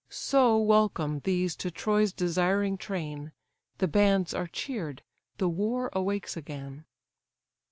So welcome these to Troy's desiring train, The bands are cheer'd, the war awakes again.